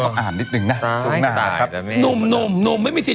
เอาอ่านนิดหนึ่งนะช่วงหน้าครับหนุ่มหนุ่มหนุ่มไม่มีสิทธิ์